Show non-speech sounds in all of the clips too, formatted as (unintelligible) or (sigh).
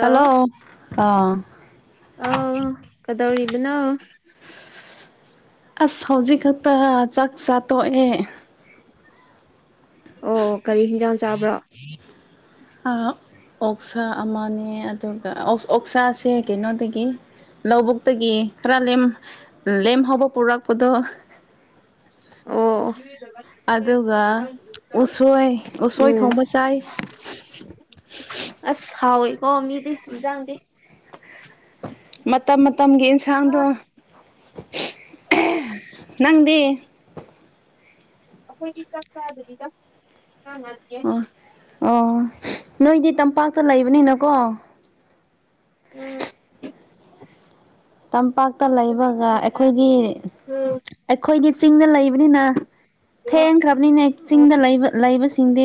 hello ꯑꯥ ꯑꯥꯎ ꯀꯗꯧꯔꯤꯕꯅꯣ ꯑꯁ ꯍꯧꯖꯤꯛ ꯈꯛꯇ ꯆꯥꯛ ꯆꯥ ꯇꯣꯛꯑꯦ ꯑꯣ ꯀꯔꯤ ꯍꯤꯟꯖꯥꯡ ꯆꯥꯕ꯭ꯔꯣ ꯑ ꯑꯣꯛꯁꯥ ꯑꯃꯅꯦ ꯑꯗꯨꯒ ꯑꯣꯛ ꯑꯣꯛꯁꯥꯁꯦ ꯀꯩꯅꯣꯗꯒꯤ ꯂꯧꯕꯨꯛꯇꯒꯤ ꯈꯔ ꯂꯦꯝ ꯂꯦꯝꯍꯧꯕ ꯄꯨꯔꯛꯄꯗꯣ ꯑꯣ ꯑꯗꯨꯒ ꯎꯁꯣꯏ ꯎꯁꯣꯏ ꯎꯝ ꯊꯣꯡꯕ ꯆꯥꯏ ꯑꯁ ꯍꯥꯎꯋꯦ ꯀꯣ ꯃꯤꯗꯤ ꯏꯟꯖꯥꯡꯗꯤ ꯃꯇꯝ ꯃꯇꯝꯒꯤ ꯏꯟꯁꯥꯡꯗꯣ ꯅꯪꯗꯤ ꯑꯩꯈꯣꯏꯗꯤ ꯆꯥꯛ ꯆꯥꯗ꯭ꯔꯤꯗ ꯑꯣ (unintelligible) ꯑꯣ ꯅꯣꯏꯗꯤ ꯇꯝꯄꯥꯛꯇ ꯂꯩꯕꯅꯤꯅꯀꯣ ꯎꯝ ꯇꯝꯄꯥꯛꯇ ꯂꯩꯕꯒ ꯑꯩꯈꯣꯏꯒꯤ ꯑꯩꯈꯣꯏꯗꯤ ꯆꯤꯡꯗ ꯂꯩꯕꯅꯤꯅ ꯊꯦꯡꯈ꯭ꯔꯕꯅꯤꯅ ꯆꯤꯡꯗ ꯂꯩꯕ ꯂꯩꯕꯁꯤ ꯁꯤꯡꯗꯤ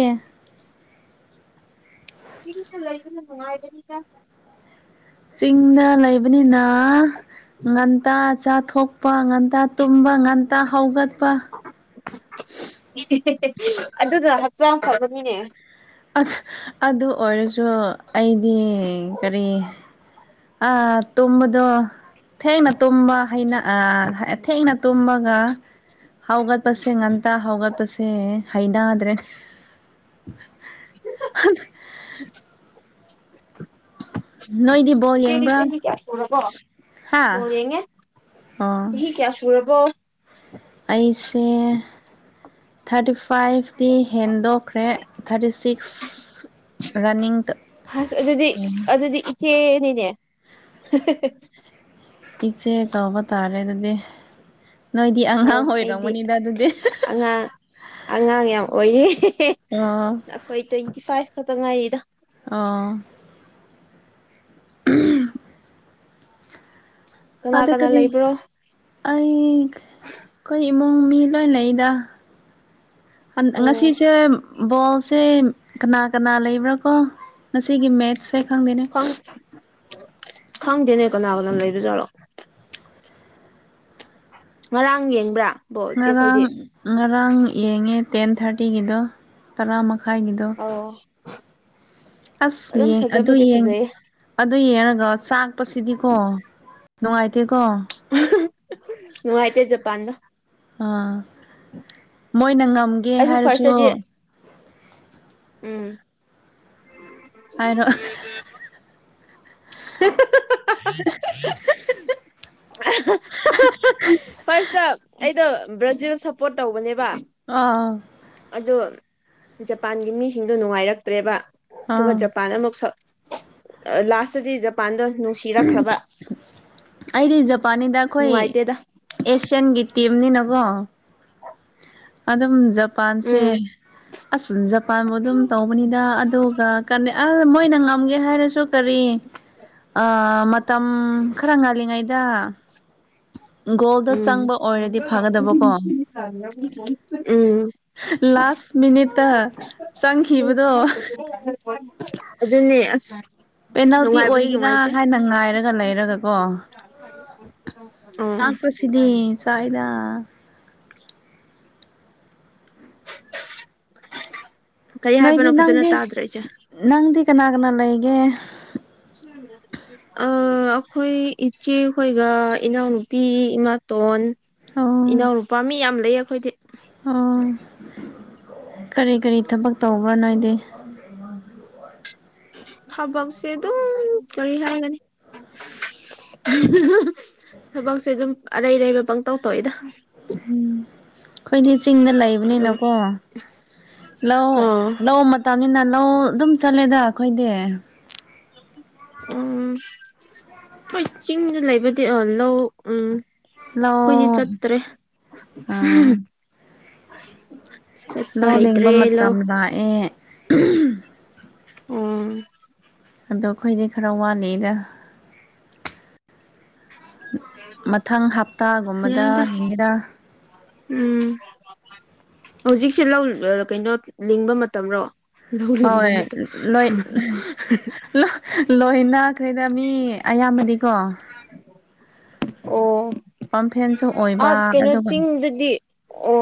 ꯆꯤꯡꯗ ꯂꯩꯕꯅ ꯅꯨꯡꯉꯥꯢꯕꯅꯤꯗ ꯆꯤꯡꯗ ꯂꯩꯕꯅꯤꯅ ꯉꯟꯇꯥ ꯆꯥ ꯊꯣꯛꯄ ꯉꯟꯇꯥ ꯇꯨꯝꯕ ꯉꯟꯇꯥ ꯍꯧꯒꯠꯄ ꯑꯗꯨꯅ ꯍꯛꯆꯥꯡ ꯐꯕꯅꯤꯅꯦ ꯑꯗꯨ ꯑꯗꯨ ꯑꯣꯏꯔꯁꯨ ꯑ ꯇꯨꯝꯕꯗꯣ ꯊꯦꯡꯅ ꯇꯨꯝꯕ ꯍꯩꯅ ꯊꯦꯡꯅ ꯇꯨꯝꯕꯒ ꯍꯧꯒꯠꯄꯁꯦ ꯉꯟꯇ ꯍꯧꯒꯠꯄꯁꯦ ꯍꯩꯅꯗ꯭ꯔꯦ ꯑꯗꯨ ꯅꯣꯏꯗꯤ ꯕꯣꯜ ꯢꯆꯦ ꯌꯦꯡꯕ꯭ꯔꯥ ꯆꯍꯤ ꯀꯌꯥ ꯁꯨꯔꯕꯣ ꯍꯥ ꯕꯣꯜ ꯌꯦꯡꯉꯦ ꯑꯣ ꯆꯍꯤ ꯀꯌꯥ ꯁꯨꯔꯕꯣ ꯑꯩꯁꯦ ꯊꯥꯔꯇꯤ ꯐꯥꯏꯚꯇꯤ ꯍꯦꯟꯗꯣꯛ ꯈ꯭ꯔꯦ ꯊꯥꯔꯇꯤ ꯁꯤꯛꯁ ꯔꯟꯅꯤꯡ ꯍꯁ ꯑꯗꯨꯗꯤ ꯑꯣꯏꯅ ꯑꯗꯨꯗꯤ ꯏꯆꯦꯅꯤ ꯅꯦ ꯏꯆꯦ ꯀꯧꯕ ꯇꯥꯔꯦ ꯑꯗꯨꯗꯤ ꯅꯣꯏꯗꯤ ꯑ ꯑꯉꯥꯡ ꯑꯩꯗꯤ ꯑꯣꯏꯔꯝꯒꯅꯤꯗ ꯑꯗꯨꯗꯤ ꯑꯉꯥꯡ ꯑꯉꯥꯡ ꯌꯥꯝ ꯑꯣꯏꯔꯤ ꯑꯣ ꯑꯩꯈꯣꯏ ꯇ꯭ꯋꯦꯟꯇꯤ ꯐꯥꯏꯚ ꯈꯛꯇ ꯉꯥꯏꯔꯤꯗꯣ ꯑꯣ (unintelligible) ꯀꯅꯥ ꯑꯗ ꯀꯅꯥ ꯀꯔꯤ ꯂꯩꯕ꯭ꯔꯣ ꯑꯩ ꯈꯣꯢ ꯢ ꯏꯃꯨꯡ ꯃꯤ ꯂꯣꯏ ꯂꯩꯗ ꯉꯁꯤꯁꯦ ꯕꯣꯜꯁꯦ ꯀꯅꯥ ꯀꯅꯥ ꯂꯩꯕ꯭ꯔꯥ ꯀꯣ ꯁꯤꯒꯤ ꯃꯦꯠꯁꯁꯦ ꯈꯪꯗꯅꯦ ꯈꯪ ꯈꯪꯗꯦꯅꯦ ꯀꯅꯥ ꯀꯅꯥ ꯂꯩꯕ ꯖꯥꯠꯂꯣ ꯉꯔꯥꯡ ꯌꯦꯡꯕ꯭ꯔꯥ ꯕꯣꯜ ꯏꯆꯦ ꯉꯔꯥꯡ ꯑꯩꯈꯣꯏꯗꯤ ꯉꯔꯥꯡ ꯌꯦꯡꯉꯦ ꯇꯦꯟ ꯊꯥꯔꯇꯤꯒꯤꯗꯣ ꯇꯔꯥꯃ ꯈꯥꯏꯒꯤꯗꯣ ꯑꯧ ꯑꯁ ꯑꯗꯨꯝ ꯌꯦꯡ ꯑꯗꯨ ꯐꯖꯕꯨꯗꯤ ꯌꯦꯡ ꯐꯖꯩꯌꯦ ꯑꯗꯨ ꯌꯦꯡꯔꯒ ꯆꯥꯛꯄꯁꯤꯗꯤꯀꯣ ꯅꯨꯡꯉꯥꯏꯇꯦꯀꯣ ꯅꯨꯡꯉꯥꯢꯇꯦ ꯖꯄꯥꯟꯗꯣ ꯑꯥ ꯃꯣꯏꯅ ꯉꯝꯒꯦ ꯑꯩꯁꯨ ꯍꯥꯏꯔꯁꯨ ꯐꯥꯔꯁꯇꯗꯤ ꯎꯝ ꯍꯥꯏꯔꯣ (inaudible) ꯐꯥꯔꯁꯇ ꯑꯩꯗꯣ ꯕ꯭ꯔꯥꯖꯤꯜ ꯁꯄꯣꯔꯠ ꯇꯧꯕꯅꯦꯕ ꯑꯥ ꯑꯗꯨ ꯖꯄꯥꯟꯒꯤ ꯃꯤꯁꯤꯡꯗꯣ ꯅꯨꯡꯉꯥꯏꯔꯛꯇ꯭ꯔꯦꯕ ꯑꯗꯨꯒ ꯑꯥ ꯖꯄꯥꯟ ꯑꯃꯨꯛ ꯁ ꯂꯥꯁꯇꯗꯤ ꯖꯄꯥꯟꯗꯣ ꯅꯨꯡꯁꯤꯔꯛꯈ꯭ꯔꯕ ꯑꯩꯗꯤ ꯖꯄꯥꯟꯅꯤꯗ ꯑꯩꯈꯣꯏ ꯅꯨꯡꯉꯥꯏꯇꯦꯗ ꯑꯦꯁꯤꯌꯥꯟꯒꯤ ꯇꯤꯝꯅꯤꯅꯀꯣ ꯑꯗꯨꯝ ꯖꯄꯥꯟꯁꯦ ꯎꯝ ꯑꯁ ꯖꯄꯥꯟꯕꯨ ꯑꯗꯨꯝ ꯇꯧꯕꯅꯤꯗ ꯑꯗꯨꯒ ꯀ ꯑ ꯃꯣꯏꯅ ꯉꯝꯒꯦ ꯍꯥꯏꯔꯁꯨ ꯀꯔꯤ ꯑ ꯃꯇꯝ ꯈꯔ ꯉꯜꯂꯤꯉꯩꯗ ꯒꯣꯜꯗ ꯎꯝ ꯆꯪꯕ ꯑꯣꯏꯔꯗꯤ ꯐꯒꯗꯕꯀꯣ ꯎꯝ ꯀ꯭ꯂꯥꯁ ꯃꯤꯅꯤꯠ ꯑꯗꯨꯅꯦ ꯑꯁ ꯄꯦꯅꯥꯜꯇꯤ ꯅꯨꯡꯉꯥꯏꯕꯗꯤ ꯑꯣꯏꯒꯦꯔꯥ ꯅꯨꯡꯉꯥꯏꯇꯦ ꯍꯥꯏꯅ ꯉꯥꯏꯔꯒ ꯂꯩꯔꯒ ꯀꯣ ꯆꯥꯛꯄꯁꯤꯗꯤ ꯆꯗ (inaudible) ꯅꯣꯏꯗꯤ ꯍꯥꯏꯕꯅꯣ ꯐꯖꯅ ꯅꯪꯗꯤ ꯇꯥꯗ꯭ꯔꯦ ꯏꯆꯦ ꯅꯪꯗꯤ ꯀꯅꯥ ꯀꯅꯥ ꯂꯩꯒꯦ ꯑꯩꯈꯣꯏ ꯏꯆꯦ ꯍꯣꯏꯒ ꯏꯅꯥꯎꯅꯨꯄꯤ ꯏꯃꯥꯇꯣꯟ ꯑꯣ ꯏꯅꯥꯎꯅ ꯅꯨꯄꯥ ꯃꯤ ꯌꯥꯝ ꯂꯩ ꯑꯩꯈꯣꯏꯗꯤ ꯑꯣ ꯀꯔꯤ ꯀꯔꯤ ꯊꯕꯛ ꯇꯧꯕ꯭ꯔꯥꯅꯅꯥ ꯍꯥꯏꯗꯦ ꯍꯕꯕꯨ ꯁꯤ ꯑꯗꯨ ꯀꯔꯤ ꯍꯥꯏꯒꯅꯤ ꯊꯕꯛꯁꯦ ꯑꯗꯨꯝ ꯑꯔꯩ ꯑꯔꯩꯕ ꯄꯪꯇꯧ ꯇꯧꯏꯗ ꯎꯝ ꯑꯩꯈꯣꯏꯗꯤ ꯆꯤꯡꯗ ꯑꯗꯨꯝ ꯂꯩꯕꯅꯤꯅꯀꯣ ꯂꯧ ꯂꯧ ꯃꯇꯝꯅꯤꯅ ꯂꯧ ꯑꯗꯨꯝ ꯆꯠꯂꯦꯗ ꯑꯩꯈꯣꯏꯗꯤ ꯎꯝ ꯍꯣꯏ ꯆꯤꯡꯗ ꯂꯩꯕꯗꯤ ꯑ ꯂꯧ ꯎꯝ ꯂꯧ ꯑꯩꯈꯣꯏꯗꯤ ꯆꯠꯇ꯭ꯔꯦ ꯑꯥ ꯆꯄ ꯂꯧ ꯂꯤꯡꯕ ꯍꯥꯏꯗ꯭ꯔꯦꯂꯣ ꯃꯇꯝ ꯂꯥꯛꯑꯦ ꯑꯣ ꯑꯗꯣ ꯑꯩꯈꯣꯏꯗꯤ ꯈꯔ ꯋꯥꯠꯂꯤꯗ ꯃꯊꯪ ꯍꯞꯇꯥꯒꯨꯝꯕꯗ ꯌꯥꯏꯗ ꯅꯤꯡꯔꯥ ꯎꯝ ꯍꯧꯖꯤꯛꯁꯦ ꯂꯧ ꯀꯩꯅꯣ ꯂꯤꯡꯕ ꯃꯇꯝꯔꯣ ꯂꯧ ꯂꯤꯡꯕ ꯍꯣꯏ ꯃꯇꯝ ꯂꯣꯏ ꯂꯣꯏꯅꯥ ꯀ ꯃꯤ ꯑꯌꯥꯝꯕꯗꯤꯀꯣ ꯄꯥꯝꯐꯦꯟꯁꯨ ꯑꯣꯏꯕ ꯑꯥ ꯀꯩꯅꯣ ꯑꯗꯨꯒ ꯎ ꯆꯤꯡꯗꯗꯤ ꯑꯣ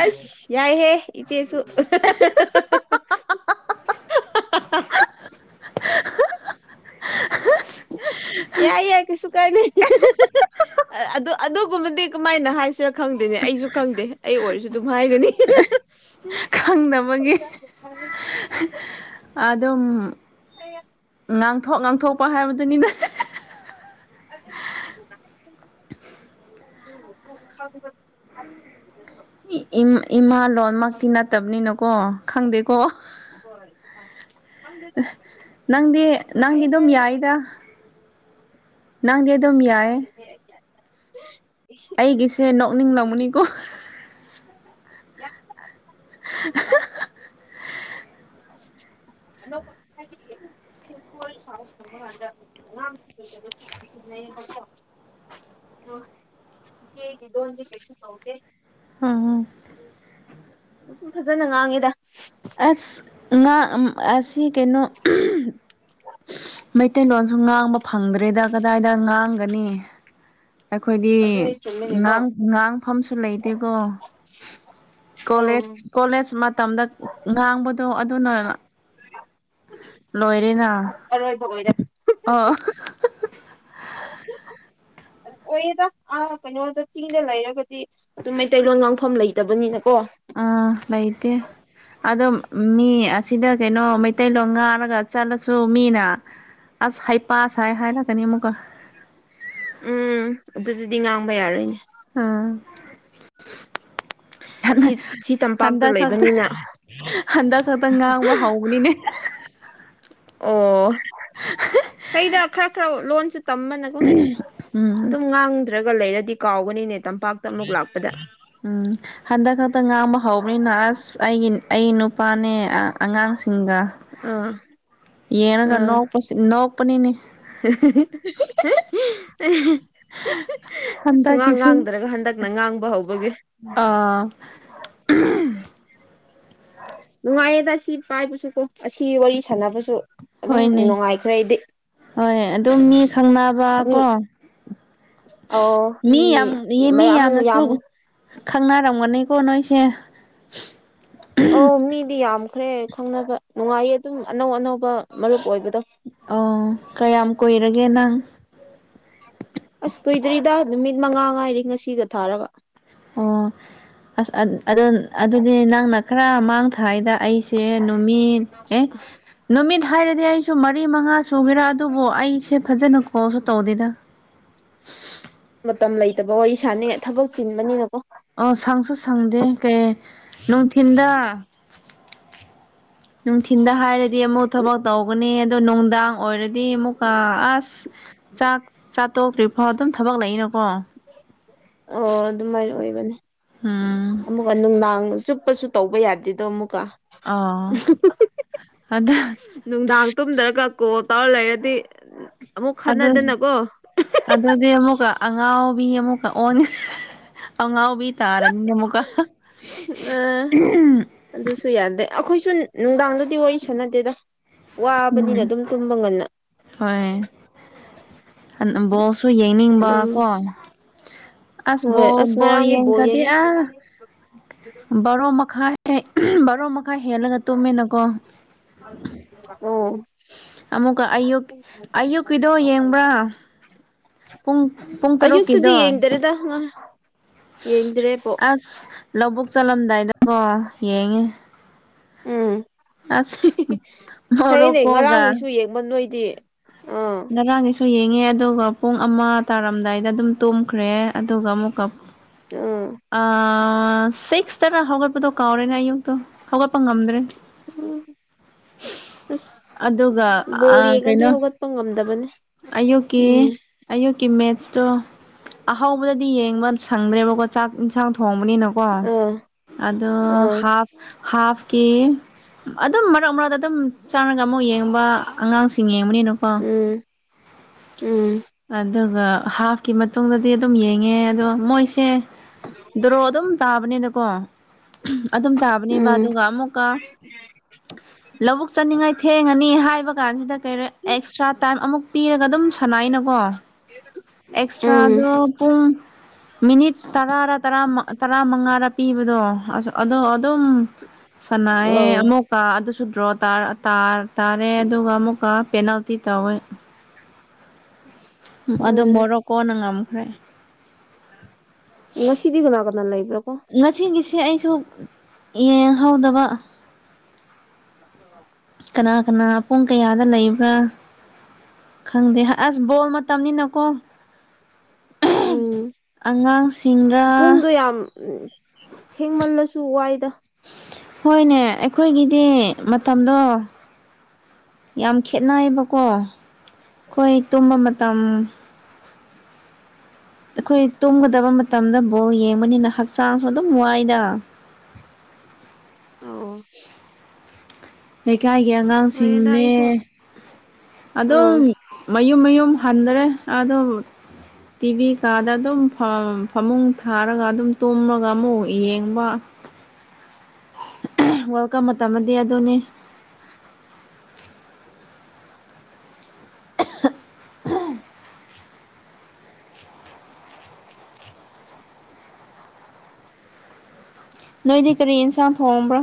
ꯑꯁ ꯌꯥꯏ ꯍꯦ ꯏꯆꯦꯁꯨ (inaudible) ꯌꯥꯏ ꯌꯥ ꯀꯁꯨꯨ ꯀꯥꯏ ꯑꯗꯨ ꯑꯗꯨꯒꯨꯝꯕꯗꯤ ꯀꯃꯥꯏꯅ ꯍꯥꯏꯁꯤꯔꯥ ꯈꯪꯗꯦꯅꯦ ꯑꯩꯁꯨ ꯈꯪꯗꯦ ꯑꯩ ꯑꯣꯏꯔꯁꯨ ꯑꯗꯨꯝ ꯃꯥꯥꯏꯒꯅꯤ ꯈꯪꯅꯕꯒꯤ ꯑꯗꯨꯝ ꯑ ꯉꯥꯡꯊꯣꯛ ꯉꯥꯡꯊꯣꯛꯄ ꯍꯥꯏꯕꯗꯨꯅꯤꯅꯦ (unintelligible) ꯏꯃꯥ ꯂꯣꯟꯃꯛꯇꯤ ꯅꯠꯇꯕꯅꯤꯅꯀꯣ ꯈꯪꯗꯦ ꯍ ꯅꯪꯗꯤ ꯑꯩ ꯅꯪꯗꯤ ꯑꯗꯨꯝ ꯌꯥꯏꯗ ꯀ ꯅꯪꯗꯤ ꯑꯗꯨꯝ ꯌꯥꯏ (inaudible) ꯑꯩꯒꯤꯁꯦ ꯅꯣꯛꯅꯤꯡ ꯂꯧꯃꯅꯤꯀꯣ (unintelligible) (inaudible) ꯗ ꯀꯣ ꯑ ꯏꯆꯦꯒꯤ ꯗꯣꯟꯗꯤꯦ ꯀꯩꯁꯨ ꯇꯧꯗꯦ ꯑꯥ ꯁꯨꯝ ꯐꯖꯅ ꯉꯥꯡꯉꯤꯗ ꯑꯁ ꯉꯥ ꯑꯁꯤ ꯀꯩꯅꯣ ꯃꯩꯇꯩꯂꯣꯟꯁꯨ ꯉꯥꯡꯕ ꯐꯪꯗ꯭ꯔꯦꯗ ꯀꯗꯥꯏꯗ ꯉꯥꯡꯒꯅꯤ ꯑꯩꯈꯣꯏꯗꯤ ꯉꯥꯡ ꯉꯥꯡꯐꯝꯁꯨ ꯂꯩꯇꯦꯀꯣ ꯀꯣꯂꯦꯖ ꯀꯣꯂꯦꯖ ꯃꯇꯝꯗ ꯉꯥꯡꯕꯗꯣ ꯑꯗꯨꯅ ꯂꯣꯏꯔꯦꯅꯥ ꯑꯣ ꯑꯣꯏꯌꯦꯗ ꯑꯥ ꯀꯩꯅꯣꯗ ꯆꯤꯡꯗ ꯂꯩꯔꯒꯗꯤ ꯑꯗꯨꯝ ꯃꯩꯇꯩꯂꯣꯟ ꯉꯥꯡꯐꯝ ꯂꯩꯇꯕꯅꯤꯅ ꯑꯥ ꯂꯩꯏꯇꯦ ꯑꯗꯣ ꯃꯤ ꯑꯁꯤꯗ ꯀꯩꯅꯣ ꯃꯩꯇꯩꯂꯣꯟꯣꯡ ꯉꯥꯔꯒ ꯆꯠꯂꯁꯨ ꯃꯤꯅ ꯑꯁ ꯍꯩ ꯄꯁ ꯍꯥꯏ ꯍꯥꯏꯔꯛꯀꯅꯤ ꯑꯃꯨꯛꯀ ꯎꯝ ꯑꯗꯨꯗꯤ ꯉꯥꯡꯕ ꯌꯥꯔꯣꯏꯅꯦ ꯑꯥ ꯁꯤ ꯁꯤ ꯇꯝꯄꯥꯛꯇ ꯍꯟꯗꯛ ꯈꯛꯇ ꯂꯩꯕꯅꯤꯅ ꯍꯟꯗꯛ ꯈꯛꯇ ꯉꯥꯡꯕ ꯍꯧꯕꯅꯤꯅꯦ (inaudible) ꯑꯣ ꯀꯩꯗ ꯈꯔ ꯈꯔ ꯂꯣꯟ ꯇꯝꯕꯅꯀꯣ ꯎꯝ ꯑꯗꯨꯝ ꯉꯥꯡꯗ꯭ꯔꯒ ꯂꯩꯔꯗꯤ ꯀꯥꯎꯒꯅꯤꯅꯦ ꯇꯝꯄꯥꯛꯇ ꯑꯃꯨꯛ ꯂꯥꯛꯄꯗ ꯎꯝ ꯍꯟꯗꯛ ꯈꯛꯇ ꯉꯥꯡꯕ ꯍꯧꯕꯅꯤꯅ ꯑꯁ ꯑꯩꯒꯤ ꯑꯩ ꯅꯨꯄꯥꯅꯦ ꯑꯉꯥꯡꯁ ꯁꯤꯡꯒꯥ ꯑꯥ ꯌꯦꯒ ꯑꯥ ꯅꯣꯄꯁꯤ ꯅꯣꯄꯅꯤꯅꯤ ꯁꯨꯉꯥꯡ ꯍꯟꯗꯛꯀꯤꯁꯤ ꯉꯥꯡꯗ꯭ꯔꯒ ꯍꯟꯗꯛꯅ ꯉꯥꯡꯕ ꯍꯧꯕꯒꯤ ꯑꯥ ꯅꯨꯡꯉꯥꯏꯌꯦꯗ ꯁꯤ ꯄꯥꯏꯕꯁꯨ ꯀꯣ ꯑꯁꯤ ꯋꯥꯔꯤ ꯁꯥꯟꯅꯕꯁꯨ ꯑꯗꯨꯝ ꯍꯣꯏꯅꯦ ꯅꯨꯡꯉꯥꯏꯈ꯭ꯔꯦ ꯑꯩꯗꯤ ꯍꯣꯏ ꯑꯗꯨꯝ ꯃꯤ ꯈꯪꯅꯕ ꯃꯤ ꯀꯣ ꯑꯧ ꯃꯤ ꯌꯥꯝ ꯃꯤ ꯃꯌꯥꯝ ꯌꯥꯝꯅꯁꯨ ꯌꯥꯝ ꯈꯪꯅꯔꯝꯒꯅꯤꯀꯣ ꯅꯣꯏꯁꯦ ꯑ ꯃꯤꯗꯤ ꯌꯥꯝꯈ꯭ꯔꯦ ꯈꯪꯅꯕ ꯅꯨꯡꯉꯥꯏꯌꯦ ꯑꯗꯨꯝ ꯑꯅꯧ ꯑꯅꯧꯕ ꯃꯔꯨꯞ ꯑꯣꯏꯕꯗꯣ ꯑꯣ ꯀꯌꯥꯝ ꯀꯨꯏꯔꯒꯦ ꯅꯪ ꯑꯁ ꯀꯨꯏꯗ꯭ꯔꯤꯗ ꯅꯨꯃꯤꯠ ꯃꯉꯥ ꯉꯥꯏꯔꯤ ꯉꯁꯤꯒ ꯊꯥꯔꯕ ꯑꯣ ꯑꯁ ꯑꯗꯨꯗꯤ ꯅꯪꯅ ꯈꯔ ꯃꯥꯡ ꯊꯥꯗ ꯑꯩꯁꯦ ꯅꯨꯃꯤꯠ ꯑꯦ ꯅꯨꯃꯤꯠ ꯍꯥꯏꯔꯗꯤ ꯑꯩꯁꯨ ꯃꯔꯤ ꯃꯉꯥ ꯆꯨꯒꯦꯔꯥ ꯑꯗꯨꯕꯨ ꯑꯩꯁꯦ ꯐꯖꯅ ꯀꯣꯜꯁꯨ ꯇꯧꯗꯦꯗ ꯃꯇꯝ ꯂꯩꯇꯕ ꯋꯥꯔꯤ ꯁꯥꯅꯤꯡꯉꯦ ꯊꯕꯛ ꯆꯤꯟꯕꯅꯤꯅꯀꯣ ꯑꯣ ꯁꯪꯁꯨ ꯁꯪꯗꯦ ꯀꯩ ꯅꯨꯡꯊꯤꯟꯗ ꯅꯨꯡꯊꯤꯟꯗ ꯍꯥꯏꯔꯗꯤ ꯑꯃꯨꯛ ꯊꯕꯛ ꯇꯧꯒꯅꯤ ꯑꯗꯣ ꯅꯨꯡꯗꯥꯡ ꯑꯣꯏꯔꯗꯤ ꯑꯃꯨꯛꯀ ꯑꯁ ꯆꯥꯛ ꯆꯥꯠꯇꯣꯛꯇ꯭ꯔꯤꯐꯥꯎ ꯑꯗꯨꯝ ꯊꯕꯛ ꯂꯩꯅꯀꯣ (inaudible) ꯑꯣ ꯑꯗꯨꯃꯥꯏꯅ ꯑꯣꯏꯕꯅꯦ ꯎꯝ ꯑꯃꯨꯛ ꯅꯨꯡꯗꯥꯡ ꯆꯨꯞꯄꯁꯨ ꯇꯧꯕ ꯌꯥꯗꯦꯗꯣ ꯑꯃꯨꯛ ꯑꯥ ꯑꯗꯨ ꯅꯨꯡꯗꯥꯡ ꯇꯨꯝꯗ꯭ꯔꯒ ꯀꯣ ꯇꯧꯔ ꯂꯩꯔꯗꯤ ꯑꯃꯨꯛ ꯑꯗ ꯈꯟꯅꯗꯅꯀꯣ ꯑꯗꯗꯤ ꯃꯨꯒ ꯑꯉꯥꯎꯕꯤ ꯑꯃꯨꯛ ꯑꯣꯟ ꯑꯉꯥꯎꯕꯤ ꯇꯥꯔ ꯔꯅꯤ ꯑꯃꯨꯀꯥ ꯑ ꯑꯗꯨꯁꯨ ꯌꯥꯗꯦ ꯑꯩꯈꯣꯏꯁꯨ ꯅꯨꯡꯗꯥꯡꯗꯗꯤ ꯋꯥꯔꯤ ꯁꯥꯟꯅꯗꯦꯗ ꯋꯥꯕꯅꯤꯅ ꯎꯝ ꯑꯗꯨꯝ ꯇꯨꯝꯕ ꯉꯟꯅ ꯍꯣꯏ ꯕꯣꯜꯁꯨ ꯌꯦꯡꯅꯤꯡꯕ ꯑꯗꯨꯝ ꯀꯣ ꯍꯣꯏ ꯑꯁ ꯑꯁꯕꯕꯣ ꯉꯔꯥꯡꯗꯤ ꯌꯦꯡ ꯕꯣꯜ ꯀꯗꯦ ꯌꯦꯡꯉꯦ ꯔꯣ ꯃꯈꯈꯥꯏ ꯑꯦ ꯕꯥꯔꯣ ꯃꯈꯥꯏ ꯍꯦꯜꯂꯒ ꯇꯨꯝꯃꯦꯅꯀꯣ ꯑꯣ ꯑꯃꯨꯛꯀ ꯑꯌꯨꯛ ꯑꯌꯨꯛꯀꯤꯗꯣ ꯌꯦꯡꯕ꯭ꯔꯥ ꯄꯨꯡ ꯄꯨꯡ ꯑꯌꯨꯛꯇꯗꯤ ꯇꯔꯨꯛꯀꯤꯗꯣ ꯌꯦꯡꯗꯔꯦꯗ ꯌꯦꯡꯗ꯭ꯔꯦꯕꯣ ꯑꯁ ꯂꯧꯕꯨꯛ ꯆꯠꯂꯝꯗꯥꯏꯗ ꯀꯣ ꯌꯦꯡꯉꯦ ꯎꯝ ꯑꯁ ꯐꯩꯅꯦ ꯃꯣꯔꯣꯀꯣꯒ ꯉꯔꯥꯡꯒꯤꯁꯨ ꯌꯦꯡꯕ ꯅꯣꯏꯗꯤ ꯑꯥ ꯉꯔꯥꯡꯒꯤꯁꯨ ꯌꯦꯡ ꯉꯦ ꯑꯗꯨꯒ ꯄꯨꯡ ꯑꯃ ꯇꯥꯔꯝꯗꯥꯏꯗ ꯑꯗꯨꯝ ꯇꯨꯝꯈ꯭ꯔꯦ ꯑꯗꯨꯒ ꯑꯃꯨꯛꯀ ꯑꯥ ꯑꯑ ꯁꯤꯛꯁ ꯇꯔ ꯍꯧꯒꯠꯄꯗꯣ ꯀꯥꯎꯔꯦꯅꯦ ꯑꯌꯨꯛꯇꯣ ꯍꯧꯒꯠꯄ ꯉꯝꯗ꯭ꯔꯦ ꯑꯁ ꯑꯗꯨꯒ ꯑ ꯀꯩꯅꯣ ꯕꯅꯤ ꯑꯌꯨꯛꯀꯤ ꯎꯝ ꯑꯌꯨꯛꯀꯤ ꯃꯦꯠꯁꯇꯣ ꯑꯍꯥꯎꯕꯗꯗꯤ ꯌꯦꯡꯕ ꯁꯪꯗ꯭ꯔꯦꯕꯀꯣ ꯆꯥꯛ ꯏꯟꯁꯥꯡ ꯊ ꯊꯣꯕꯅꯤꯅ ꯀꯣ ꯑꯥ ꯑꯗꯣ ꯑꯥ ꯍꯥꯐ ꯍꯥꯐꯀꯤ ꯑꯗꯨꯝ ꯃꯔꯛ ꯃꯔꯛꯇ ꯑꯗꯨꯝ ꯆꯪꯔꯒ ꯑꯃꯨꯛ ꯌꯦꯡꯕ ꯑꯉꯥꯡꯁꯤꯡ ꯌꯦꯡꯕꯅꯤꯅ ꯎꯝ ꯎꯝ ꯑꯗꯨꯒ ꯍꯥꯐꯀꯤ ꯃꯇꯨꯡꯗꯗꯤ ꯑꯗꯨꯝ ꯌꯦꯡꯉꯦ ꯑꯗꯣ ꯃꯣꯏꯁꯦ ꯗ꯭ꯔꯣ ꯑꯗꯨꯝ ꯇꯥꯕꯅꯤꯅꯀꯣ ꯑꯗꯨꯝ ꯇꯥꯕꯅꯦꯕ ꯎꯝ ꯑꯗꯨꯒ ꯑꯃꯨꯛꯀ ꯂꯧꯕꯨꯛ ꯆꯠꯅꯤꯡꯉꯥꯏ ꯊꯦꯡꯉꯅꯤ ꯍꯥꯏꯕ ꯀꯥꯟꯁꯤꯗ ꯀꯩꯔ ꯑꯦꯛꯁꯇ꯭ꯔꯥ ꯇꯥꯏꯝ ꯑꯃꯨꯛ ꯄꯤꯔꯒ ꯑꯗꯨꯝ ꯁꯥꯟꯅꯩꯅꯀꯣ ꯎꯝ ꯑꯦꯛꯁꯇ꯭ꯔꯥꯗꯣ ꯄꯨꯡ ꯃꯤꯅꯤꯠ ꯇꯔꯥꯔ ꯇꯔꯥ ꯃꯉꯥꯔꯥ ꯄꯤꯕꯗꯣ ꯑꯗꯣ ꯑꯗꯣ ꯑꯗꯨꯝ ꯁꯥꯟꯅꯩꯑꯦ ꯑꯧ ꯑꯃꯨꯛꯀ ꯑꯗꯨꯁꯨ ꯗ꯭ꯔꯣ ꯇꯥꯔꯦ ꯑꯗꯨꯒ ꯑꯃꯨꯛꯀ ꯄꯦꯅꯥꯜꯇꯤ ꯇꯧꯋꯦ ꯑꯗꯨ ꯎꯝ ꯃꯣꯔꯣꯀꯣꯅ ꯉꯝꯈ꯭ꯔꯦ ꯉꯁꯤꯗꯤ ꯀꯅꯥ ꯀꯅꯥ ꯂꯩꯕ꯭ꯔꯥꯀꯣ ꯉꯁꯤꯒꯤꯁꯦ ꯑꯩꯁꯨ ꯌꯦꯡꯍꯧꯗꯕ ꯑꯣ (unintelligible) ꯀꯅꯥ ꯀꯅꯥ ꯄꯨꯡ ꯀꯌꯥꯗ ꯂꯩꯕ꯭ꯔꯥ ꯈꯪꯗꯦ ꯑꯁ ꯕꯣꯜ ꯃꯇꯝꯅꯤꯅꯀꯣ ꯎꯝ ꯑꯉꯥꯡꯁꯤꯡꯗ ꯎ ꯊꯦꯡꯃꯜꯂꯁꯨ ꯋꯥꯏꯗ ꯍꯣꯏꯅꯦ ꯑꯩꯈꯣꯏꯒꯤꯗꯤ ꯃꯇꯝꯗꯣ ꯌꯥꯝ ꯈꯦꯅꯩꯌꯦꯕꯀꯣ ꯑꯩꯈꯣꯏ ꯇꯨꯝꯕ ꯃꯇꯝ ꯑꯩꯈꯣꯏ ꯇꯨꯝꯒꯗꯕ ꯃꯇꯝꯗ ꯕꯣꯜ ꯌꯦꯡꯕꯅꯤꯅ ꯍꯛꯆꯥꯡꯁꯨ ꯑꯗꯨꯝ ꯋꯥꯏꯗ (inaudible) (inaudible) ꯑꯣ ꯂꯩꯀꯥꯏꯒꯤ ꯍꯣꯏꯗ ꯑꯉꯥꯡꯁꯤꯡꯅꯦ ꯑꯩꯁꯨ ꯑꯗꯨꯝ ꯑꯥ ꯃꯌꯨꯝ ꯃꯌꯨꯝ ꯑꯗꯨꯝ ꯍꯟꯗꯔꯦ ꯑꯗꯣ ꯇꯤꯚꯤ ꯀꯥꯗ ꯑꯗꯨꯝ ꯐꯃꯨꯡ ꯊꯥꯔꯒ ꯑꯗꯨꯝ ꯇꯨꯝꯃꯒ ꯑꯃꯨꯛ ꯌꯦꯡꯕ ꯋꯥꯔꯜꯗ ꯀꯞ ꯃꯇꯝꯗꯗꯤ ꯑꯗꯨꯣꯅꯦ ꯐ (unintelligible) (inaudible) (inaudible) ꯅꯣꯏꯗꯤ ꯀꯔꯤꯏꯟꯁꯥꯡ ꯊꯣꯡꯕ꯭ꯔꯥ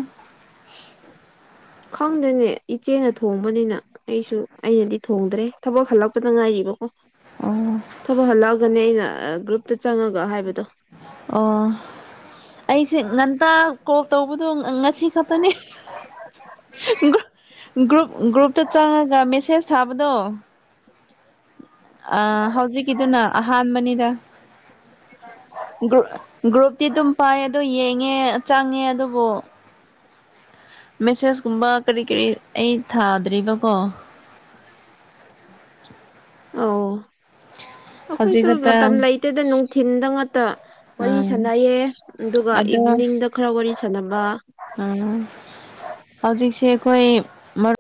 ꯈꯪꯗ꯭ꯔꯦꯅꯦ ꯏꯆꯦꯅ ꯊꯣꯡꯕꯅꯤꯅ ꯑꯩꯁꯨ ꯑꯩꯅꯗꯤ ꯊꯣꯡꯗ꯭ꯔꯦ ꯊꯕꯛ ꯍꯜꯂꯛꯄꯗ ꯉꯥꯏꯔꯤꯕꯀꯣ ꯑꯣ ꯊꯕꯛ ꯍꯜꯂꯛꯑꯒꯅꯤ ꯑꯩꯅ ꯒ꯭ꯔꯨꯞꯇ ꯆꯪꯉꯒ ꯍꯥꯏꯕꯗꯣ ꯑꯣ ꯑꯩꯁꯦ ꯉꯟꯇꯥ ꯀꯣꯜ ꯇꯧꯕꯗꯣ ꯉꯁꯤ ꯈꯇꯅꯦ ꯒ꯭ꯔꯨꯄ ꯇ ꯆꯪꯉꯒ ꯃꯦꯁꯦꯖ ꯊꯕꯗꯣ ꯑ ꯍꯧꯖꯤꯛꯀꯤꯗꯨꯅ ꯑꯍꯥꯟꯕꯅꯤꯗ ꯒ꯭ꯔꯨꯞ ꯒ꯭ꯔꯨꯞꯇꯤ ꯑꯗꯨꯝ ꯄꯥꯏꯌꯦ ꯑꯗꯣ ꯌꯦꯡꯉꯦ ꯆꯪꯉꯦ ꯑꯗꯨꯕꯨ ꯃꯦꯁꯦꯁꯀꯨꯝꯕ ꯀꯔꯤ ꯀꯔꯤ ꯑꯩ ꯊꯥꯗ꯭ꯔꯤꯕꯀꯣ ꯑ ꯍꯧꯖꯤꯛ ꯑꯩꯈꯣꯏꯁꯨ ꯈꯛꯇ ꯃꯇꯝ ꯂꯩꯇꯗ ꯅꯨꯡꯊꯤꯟꯗ ꯉꯥꯛꯇ ꯋꯥꯔꯤ ꯑꯥ ꯁꯥꯟꯅꯩꯌꯦ ꯑꯗꯨꯒ ꯏꯚꯤꯅꯤꯡꯗ ꯈꯔ ꯋꯥꯔꯤ ꯁꯅꯕ ꯎꯝ ꯍꯧꯖꯤꯛꯁꯦ ꯑꯩꯈꯣꯏ ꯃꯔ